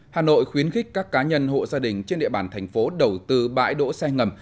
hà nội khuyến khích các cá nhân hộ gia đình trên địa bàn thành phố đầu tư bãi đỗ xe ngầm